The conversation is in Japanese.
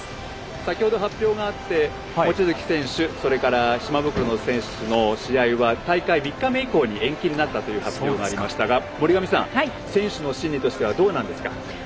先ほど発表があって望月選手、島袋選手の試合は大会３日目以降に延期になった発表がありましたが森上さん、選手の心理としてはどうなんですか？